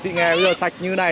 thì nghe bây giờ sạch như này